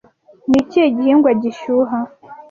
Ni ikihe gihingwa gishyuha